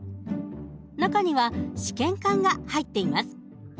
中には試験管が入っています。